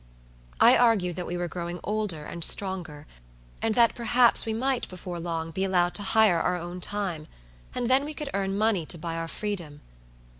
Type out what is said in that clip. I argued that we were growing older and stronger, and that perhaps we might, before long, be allowed to hire our own time, and then we could earn money to buy our freedom.